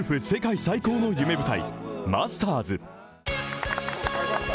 世界最高の夢舞台・マスターズ。